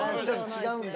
違うんだ？